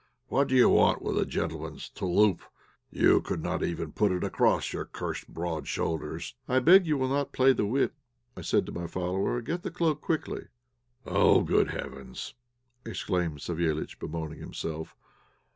What do you want with a gentleman's touloup? You could not even put it across your cursed broad shoulders." "I beg you will not play the wit," I said to my follower. "Get the cloak quickly." "Oh! good heavens!" exclaimed Savéliitch, bemoaning himself.